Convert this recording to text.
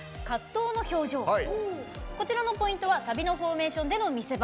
こちらのポイントはサビのフォーメーションでの見せ場。